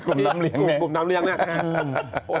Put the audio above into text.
กลุ่มนำเลี้ยงเนี่ยกลุ่มนำเลี้ยงน่ะ